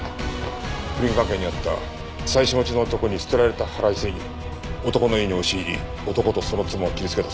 不倫関係にあった妻子持ちの男に捨てられた腹いせに男の家に押し入り男とその妻を切りつけたそうだ。